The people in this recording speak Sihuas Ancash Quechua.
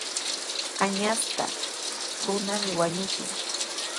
Añastaqa runami wañuchin.